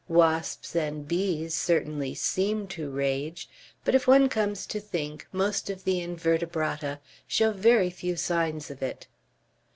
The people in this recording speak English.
"Wasps and bees certainly seem to rage, but if one comes to think, most of the invertebrata show very few signs of it."